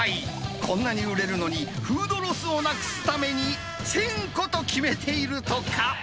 こんなに売れるのに、フードロスをなくすために、１０００個と決めているとか。